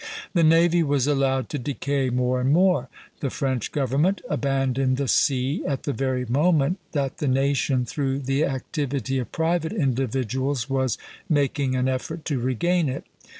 The navy was allowed to decay more and more. "The French government abandoned the sea at the very moment that the nation, through the activity of private individuals, was making an effort to regain it."